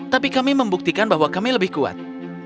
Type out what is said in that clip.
tapi kami membuktikan bahwa kami lebih kuat